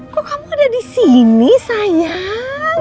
kok kamu ada di sini sayang